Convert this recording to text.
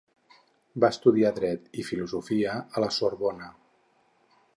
Va estudiar dret i filosofia a la Sorbona.